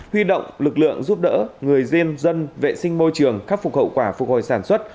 huy động lực lượng giúp đỡ người dân dân vệ sinh môi trường khắc phục hậu quả phục hồi sản xuất